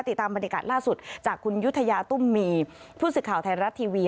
ติดตามบรรยากาศล่าสุดจากคุณยุธยาตุ้มมีผู้สื่อข่าวไทยรัฐทีวี